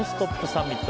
サミット。